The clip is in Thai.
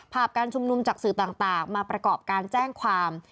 ภาพการชุมนุมจากสื่อต่างมาประกอบการแจ้งความ